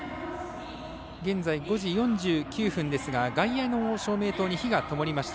現在５時４９分ですが外野の照明塔に灯がともりました。